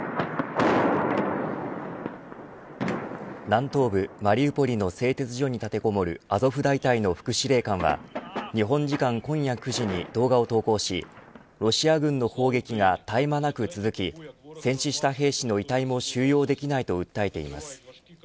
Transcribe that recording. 南東部マリウポリの製鉄所に立てこもるアゾフ大隊の副司令官は日本時間今夜９時に動画を投稿しロシア軍の砲撃が絶え間なく続き戦死した兵士の遺体も収容できないと訴えています。